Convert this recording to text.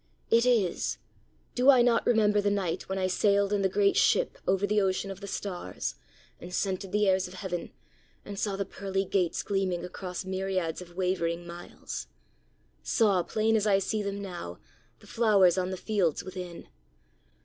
It is! Do I not remember the night when I sailed in the great ship over the ocean of the stars, and scented the airs of heaven, and saw the pearly gates gleaming across myriads of wavering miles! saw, plain as I see them now, the flowers on the fields within!